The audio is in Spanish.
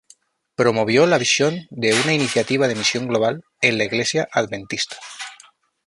Promovió la visión de una "Iniciativa de Misión Global" en la Iglesia Adventista.